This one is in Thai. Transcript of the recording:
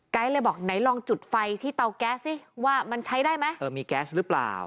เลยบอกไหนลองจุดไฟที่เตาแก๊สสิว่ามันใช้ได้ไหมเออมีแก๊สหรือเปล่า